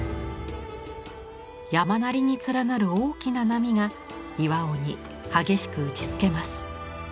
山なりに連なる大きな波が巌に激しく打ちつけます。